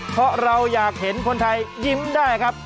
เพราะเราอยากเห็นคนไทยยิ้มได้ครับ